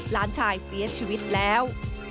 หลานชายเสียชีวิตแล้ว